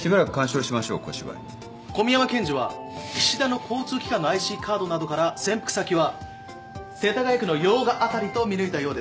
小宮山検事は岸田の交通機関のＩＣカードなどから潜伏先は世田谷区の用賀辺りと見抜いたようです。